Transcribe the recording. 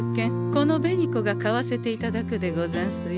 この紅子が買わせていただくでござんすよ。